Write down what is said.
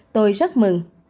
tôi rất mừng